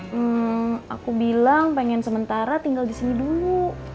hmm aku bilang pengen sementara tinggal di sini dulu